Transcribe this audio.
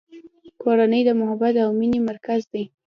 کورنۍ د محبت او مینې مرکز دی.